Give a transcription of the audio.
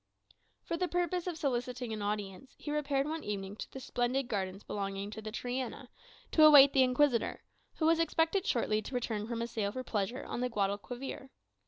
For the purpose of soliciting an audience, he repaired one evening to the splendid gardens belonging to the Triana, to await the Inquisitor, who was expected shortly to return from a sail for pleasure on the Guadalquivir.